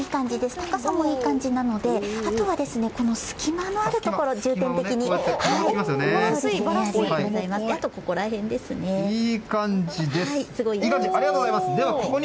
高さもいい感じなのであとは、隙間のあるところを重点的に。